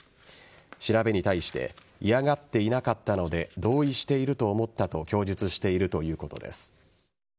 調べに対し嫌がっていなかったので同意していると思ったと供述しているということです。